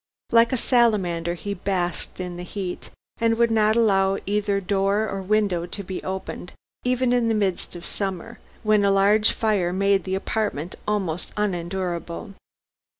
Like a salamander he basked in the heat, and would not allow either door or window to be opened, even in the midst of summer, when a large fire made the apartment almost unendurable.